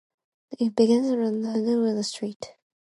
It begins at the Queensway at the south and ends at Wellington Street.